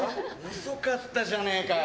遅かったじゃねえかよ。